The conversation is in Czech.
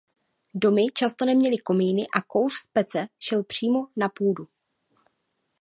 Domy často neměly komíny a kouř z pece šel přímo na půdu.